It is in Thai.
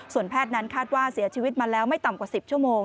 แพทย์นั้นคาดว่าเสียชีวิตมาแล้วไม่ต่ำกว่า๑๐ชั่วโมง